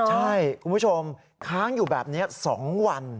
ใช่คุณผู้ชมค้างอยู่แบบนี้๒วัน